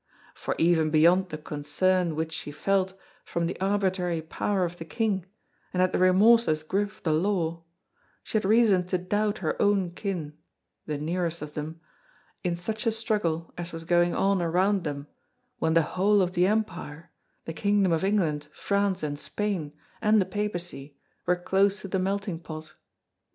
For even beyond the concern which she felt from the arbitrary power of the King and at the remorseless grip of the law, she had reason to doubt her own kin the nearest of them in such a struggle as was going on around them when the whole of the Empire, the Kingdom of England, France and Spain, and the Papacy were close to the melting pot.